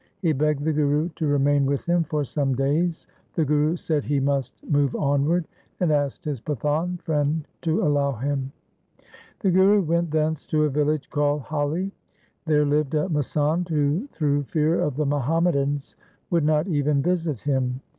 He begged the Guru to remain with him for some days. The Guru said he must move onward, and asked his Pathan friend to allow him. The Guru went thence to a village called Hali. There lived a masand who through fear of the Muham madans would not even visit him.